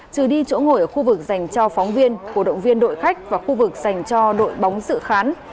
trừ đi chỗ ngồi ở khu vực dành cho phóng viên cổ động viên đội khách và khu vực dành cho đội bóng sự khán